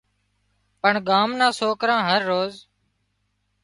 پڻ ڳام نان سوڪران هروز